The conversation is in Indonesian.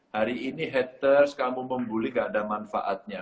hari ini haters kamu membuli gak ada manfaatnya